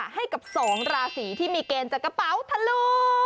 ให้กับ๒ราศีที่มีเกณฑ์จากกระเป๋าทะลุ